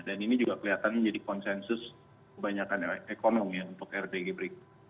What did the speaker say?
dan ini juga kelihatan menjadi konsensus kebanyakan ekonomi ya untuk rdg berikutnya